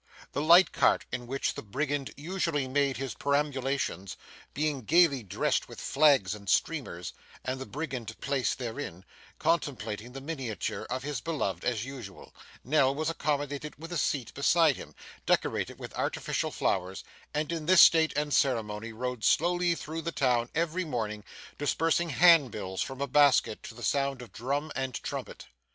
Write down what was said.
The light cart in which the Brigand usually made his perambulations being gaily dressed with flags and streamers, and the Brigand placed therein, contemplating the miniature of his beloved as usual, Nell was accommodated with a seat beside him, decorated with artificial flowers, and in this state and ceremony rode slowly through the town every morning, dispersing handbills from a basket, to the sound of drum and trumpet.